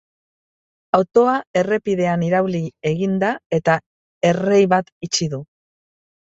Autoa errepidean irauli egin da eta errei bat itxi du.